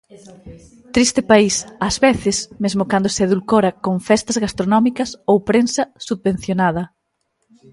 Triste país, ás veces, mesmo cando se edulcora con festas gastronómicas ou prensa subvencionada.